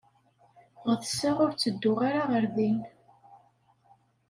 Ɣetseɣ ur ttedduɣ ara ɣer din.